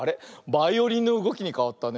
バイオリンのうごきにかわったね。